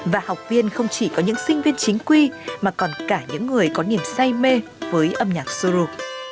và học viên không chỉ có những sinh viên chính quy mà còn cả những người có niềm say mê với âm nhạc sô lô